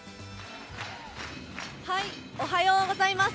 おはようございます。